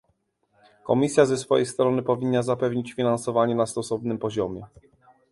Komisja ze swojej strony powinna zapewnić finansowanie na stosownym poziomie